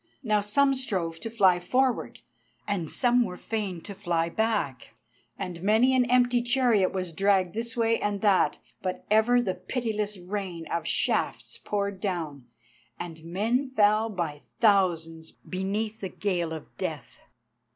Now some strove to fly forward, and some were fain to fly back, and many an empty chariot was dragged this way and that, but ever the pitiless rain of shafts poured down, and men fell by thousands beneath the gale of death.